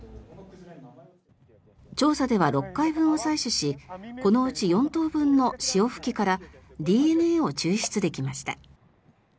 調査では６回分を採取しこのうち４頭分の潮吹きからＤＮＡを抽出できました。